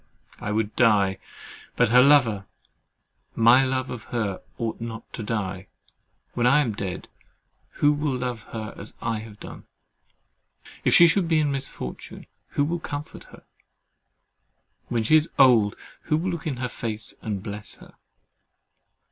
I would die; but her lover—my love of her—ought not to die. When I am dead, who will love her as I have done? If she should be in misfortune, who will comfort her? when she is old, who will look in her face, and bless her?